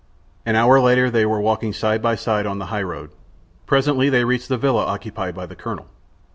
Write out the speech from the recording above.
An hour later they were walking side by side on the highroad. Presently they reached the villa occupied by the colonel.